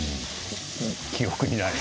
記憶にない。